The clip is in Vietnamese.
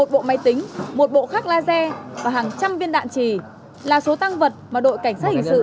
một bộ máy tính một bộ khác laser và hàng trăm viên đạn trì là số tăng vật mà đội cảnh sát hình sự